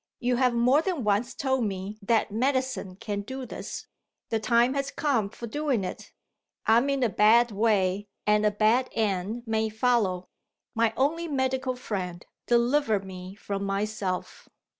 You have more than once told me that medicine can do this. The time has come for doing it. I am in a bad way, and a bad end may follow. My only medical friend, deliver me from myself.